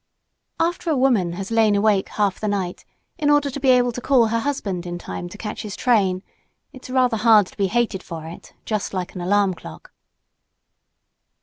After a woman has lain awake half the night in order to be able to call her husband in time to catch his train it's rather hard to be hated for it, just like an alarm clock.